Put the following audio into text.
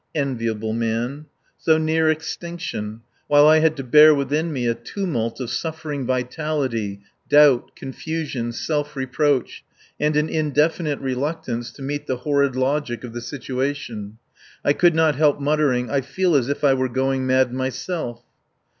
Enviable man! So near extinction while I had to bear within me a tumult of suffering vitality, doubt, confusion, self reproach, and an indefinite reluctance to meet the horrid logic of the situation. I could not help muttering: "I feel as if I were going mad myself."